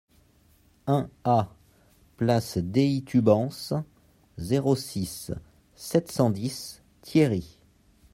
un A place Dei Tubans, zéro six, sept cent dix, Thiéry